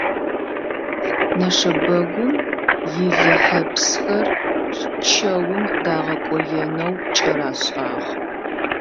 Нэшэбэгум илыхьэпсхэр чэум дагъэкӏоенэу кӏэрашӏагъ.